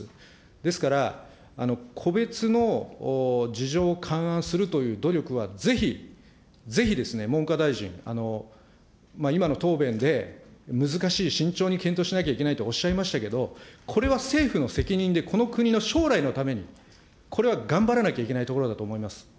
ですから、個別の事情を勘案するという努力はぜひ、ぜひですね、文科大臣、今の答弁で、難しい、慎重に検討しなきゃいけないとおっしゃいましたけど、これは政府の責任で、この国の将来のために、これは頑張らなきゃいけないところだと思います。